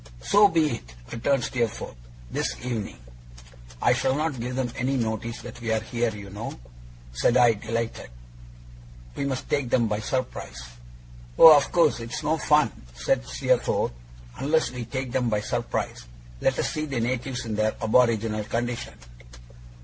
'So be it!' returned Steerforth. 'This evening.' 'I shall not give them any notice that we are here, you know,' said I, delighted. 'We must take them by surprise.' 'Oh, of course! It's no fun,' said Steerforth, 'unless we take them by surprise. Let us see the natives in their aboriginal condition.